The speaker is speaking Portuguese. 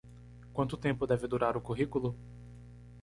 Quanto tempo deve durar o currículo?